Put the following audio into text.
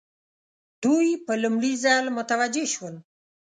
دوی په لومړي ځل متوجه شول.